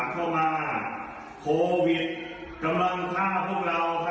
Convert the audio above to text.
ตอนสองสามและสี่ที่ผ่านเข้ามา